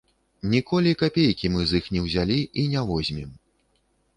Ніколі капейкі мы з іх не ўзялі і не возьмем.